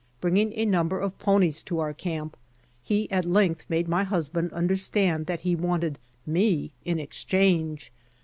Bringing a number of ponies to our camp, he at length made my husband understand that he wanted me in exchange.